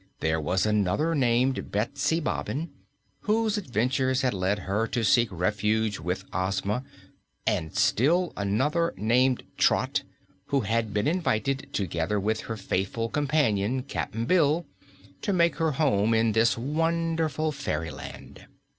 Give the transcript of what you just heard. There was another named Betsy Bobbin, whose adventures had led her to seek refuge with Ozma, and still another named Trot, who had been invited, together with her faithful companion Cap'n Bill, to make her home in this wonderful fairyland.